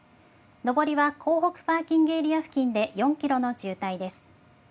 上りは港北パーキングエリア付近で４キロの渋滞です。